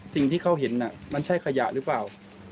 สิ่งที่เขาเห็นมันใช่ขยะหรือเปล่า